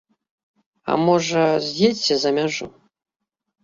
А можа, з'едзеце за мяжу?